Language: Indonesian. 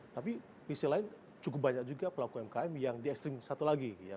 tapi misi lain cukup banyak juga pelaku umkm yang di ekstrim satu lagi